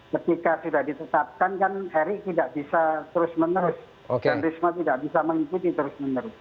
ketika tidak ditetapkan kan erik tidak bisa terus menerus oke bisa mengikuti terus menerus